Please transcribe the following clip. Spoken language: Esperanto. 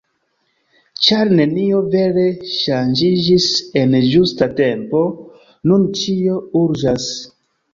Ĉar nenio vere ŝanĝiĝis en ĝusta tempo, nun ĉio urĝas.